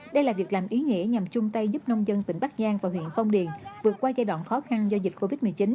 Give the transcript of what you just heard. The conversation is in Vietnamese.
đây là việc làm ý nghĩa nhằm chung tay giúp nông dân tỉnh bắc giang và huyện phong điền vượt qua giai đoạn khó khăn do dịch covid một mươi chín